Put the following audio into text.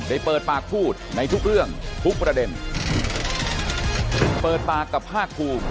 เปิดปากพูดในทุกเรื่องทุกประเด็นเปิดปากกับภาคภูมิ